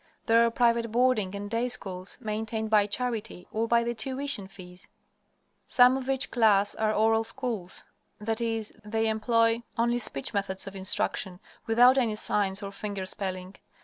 There are private boarding and day schools, maintained by charity, or by the tuition fees. Some of each class are oral schools; that is, they employ only speech methods of instruction, without any signs or finger spelling.